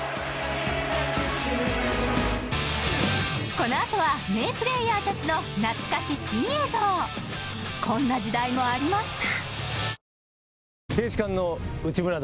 この後は名プレーヤーたちの懐かし珍映像こんな時代もありました